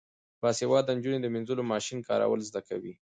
باسواده نجونې د مینځلو ماشین کارول زده کوي.